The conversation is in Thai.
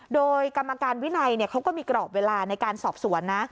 โดยกรรมการวินัยเขาก็มีกรอบเวลาในการสอบสวนนะ